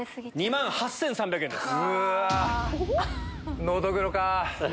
１８万１３００円です。